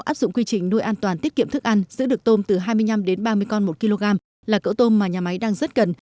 áp dụng quy trình nuôi an toàn tiết kiệm thức ăn giữ được tôm từ hai mươi năm đến ba mươi con một kg là cỡ tôm mà nhà máy đang rất cần